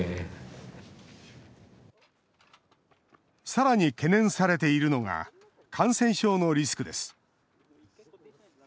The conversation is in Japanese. さらに懸念されているのが、感染症のリスクです。